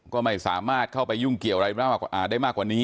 ก็ไม่สามารถเข้าไปยุ่งเกี่ยวอะไรได้มากกว่านี้